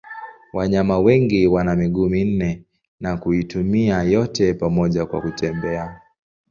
Wanyama wengi wana miguu minne na kuitumia yote pamoja kwa kutembea.